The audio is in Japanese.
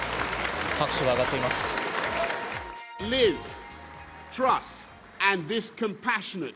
拍手が上がっています。